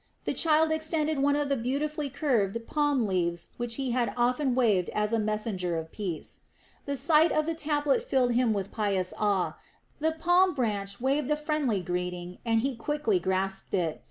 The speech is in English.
The child extended one of the beautifully curved palm leaves which he had often waved as a messenger of peace. The sight of the tablet filled him with pious awe, the palm branch waved a friendly greeting and he quickly grasped it.